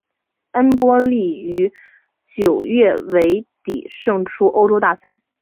恩波利于九月尾底胜出欧洲大赛。